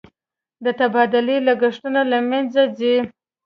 د تبادلې لګښتونه له مینځه ځي.